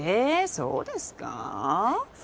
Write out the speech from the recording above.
そうですかあ？